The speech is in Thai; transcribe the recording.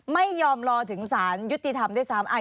ไม่ยอมรอถึงสารยุติธรรมด้วยซ้ำ